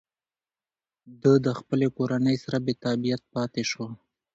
ده د خپلې کورنۍ سره بېتابعیت پاتې شو.